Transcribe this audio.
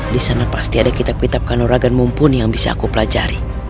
disana pasti ada kitab kitab kanuragan mumpuni yang bisa aku pelajari